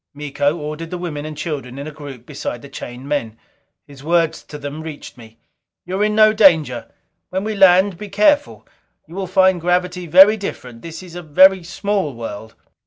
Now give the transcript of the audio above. Miko ordered the women and children in a group beside the chained men. His words to them reached me: "You are in no danger. When we land, be careful. You will find gravity very different this is a very small world."